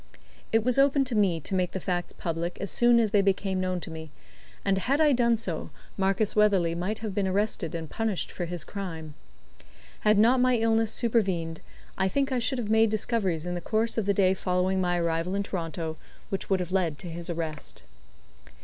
It was open to me to make the facts public as soon as they became known to me, and had I done so, Marcus Weatherley might have been arrested and punished for his crime. Had not my illness supervened, I think I should have made discoveries in the course of the day following my arrival in Toronto which would have led to his arrest.